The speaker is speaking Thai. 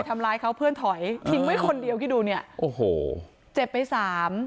ทำร้ายเขาเพื่อนถอยทิ้งไว้คนเดียวคิดดูเนี่ยโอ้โหเจ็บไปสาม